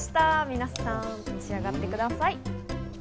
皆さん、召し上がってください。